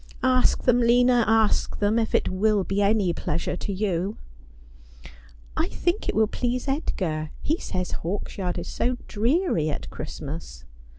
' Ask them, Lina, ask them, if it will be any pleasure to you.' 'I think it will please Edgar. He says Hawksyard is so dreary at Christmas.'